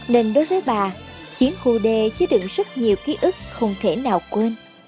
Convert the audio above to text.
nên đối với bà chiến khu đê chứa đựng rất nhiều ký ức không thể nào quên